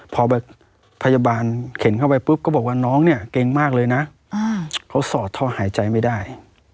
พอพยาบาลเข็นเข้าไปปุ๊บก็บอกว่าน้องเนี่ยเก่งมากเลยนะเขาสอดท่อหายใจไม่ได้